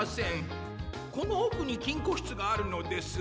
このおくにきんこしつがあるのです。